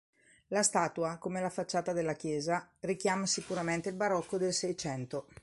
La statua, come la facciata della chiesa, richiama sicuramente il barocco del seicento.